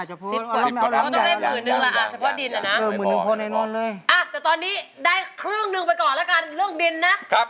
อ่ะถ้าตอนนี้ได้ครึ่งหนึ่งไปก่อนเรื่องดินนะ